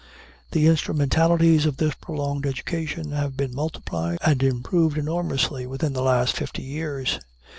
The instrumentalities of this prolonged education have been multiplied and improved enormously within the last fifty years.